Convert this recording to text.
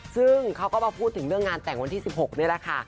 ซึ่งเขาก็มาพูดถึงเรื่องงานแต่งวันที่๑๖นี่แหละค่ะ